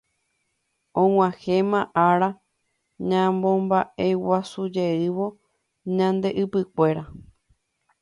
Og̃uahẽma ára ñamombaʼeguasujeývo Ñande Ypykuérape.